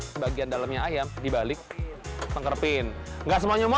hai bagian dalamnya ayam dibalik penggerupin enggak semuanya